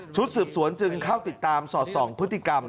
ชุดสืบสวนจึงเข้าติดตามสอดส่องพฤติกรรม